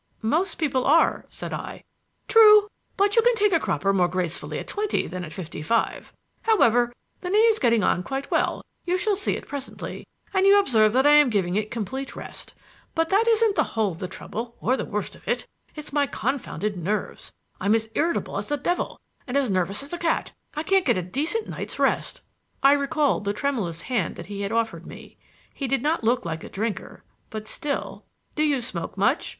"Most people are," said I. "True; but you can take a cropper more gracefully at twenty than at fifty five. However, the knee is getting on quite well you shall see it presently and you observe that I am giving it complete rest. But that isn't the whole of the trouble or the worst of it. It's my confounded nerves. I'm as irritable as the devil and as nervous as a cat. And I can't get a decent night's rest." I recalled the tremulous hand that he had offered me. He did not look like a drinker, but still "Do you smoke much?"